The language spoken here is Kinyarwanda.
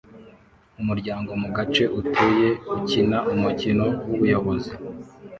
Umuryango mugace utuye ukina umukino wubuyobozi